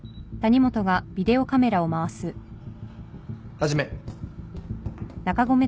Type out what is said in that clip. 始め。